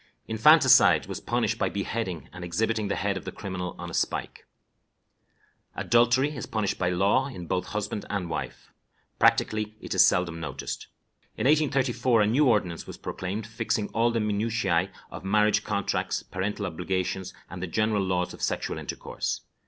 Infanticide was punished by beheading, and exhibiting the head of the criminal on a spike. Adultery is punished by law in both husband and wife. Practically it is seldom noticed. In 1834 a new ordinance was proclaimed fixing all the minutiæ of marriage contracts, parental obligations, and the general laws of sexual intercourse.